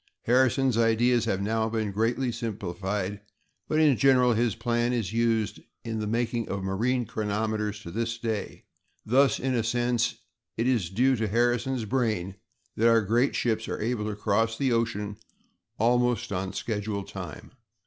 Harrison's ideas have now been greatly simplified, but, in general, his plan is used in the making of marine chronometers to this day; thus, in a sense, it is due to Harrison's brain that our great ships are able to cross the ocean on almost schedule time.